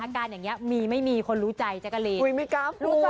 คุยไหมกราฟรู้จักหรือไม่รู้